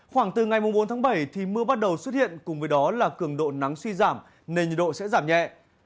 khoảng từ ngày bốn tháng bảy thì mưa bắt đầu xuất hiện cùng với đó là cường độ nắng suy giảm nền nhiệt độ sẽ giảm nhẹ